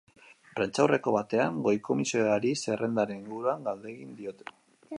Prentsaurreko batean goi-komisarioari zerrendaren inguruan galdegin diote.